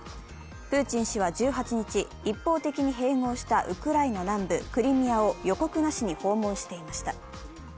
プーチン氏は１８日、一方的に併合したウクライナ南部クリミアを予告なしに訪問していました。